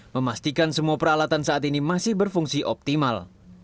memastikan semua peralatan saat ini masih berfungsi optimal